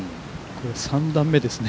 ３段目ですね。